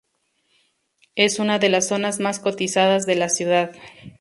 Es una de las zonas más cotizadas de la ciudad.